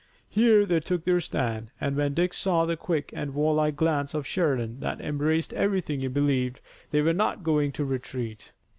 Here they took their stand, and when Dick saw the quick and warlike glance of Sheridan that embraced everything he believed they were not going to retreat.